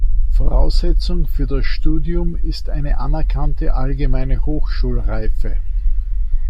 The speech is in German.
Voraussetzung für das Studium ist eine anerkannte allgemeine Hochschulreife.